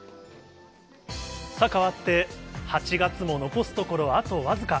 変わって、８月も残すところ、あと僅か。